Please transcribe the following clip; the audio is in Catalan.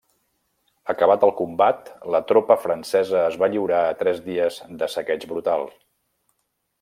Acabat el combat, la tropa francesa es va lliurar a tres dies de saqueig brutal.